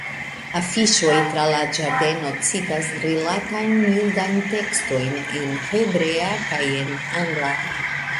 Afiŝoj tra la ĝardeno citas rilatajn judajn tekstojn en hebrea kaj en angla.